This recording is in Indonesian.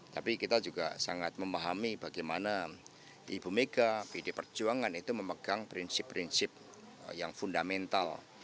tapi kita juga sangat memahami bagaimana ibu mega pd perjuangan itu memegang prinsip prinsip yang fundamental